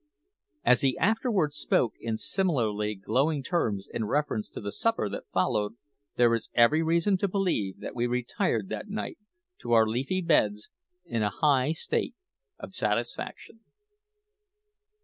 As he afterwards spoke in similarly glowing terms in reference to the supper that followed, there is every reason to believe that we retired that night to our leafy beds in a high state of satisfaction.